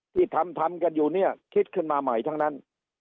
ที่ทำทำกันอยู่เนี่ยคิดขึ้นมาใหม่ทั้งนั้น